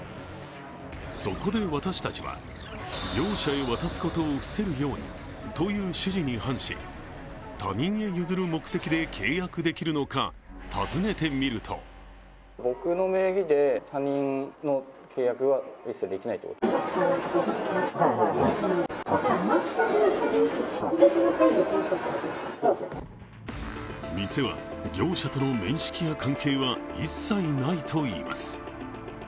そこで私たちは、業者へ渡すことを防ぐようにという指示に反し他人へ譲る目的で契約できるのか、尋ねてみると店は、業者との面識や関係は一切ないといいます。